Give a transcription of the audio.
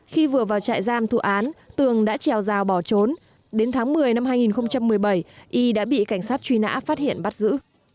khi vừa vào trại giam thủ án tường đã trèo rào bỏ trốn đến tháng một mươi năm hai nghìn một mươi bảy y đã bị cảnh sát truy nã phát hiện bắt giữ